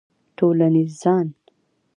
ټولنیز ځان